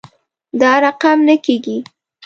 دا رقم نه کیږي